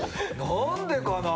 何でかな？